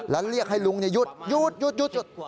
แล้วเรียกให้ลุงหยุดหยุดหยุดหยุด